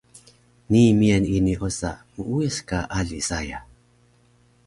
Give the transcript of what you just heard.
Nii miyan ini osa muuyas ka ali saya